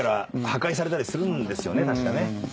確かね。